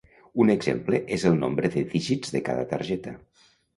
Un exemple és el nombre de dígits de cada targeta.